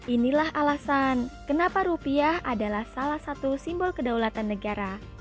inilah alasan kenapa rupiah adalah salah satu simbol kedaulatan negara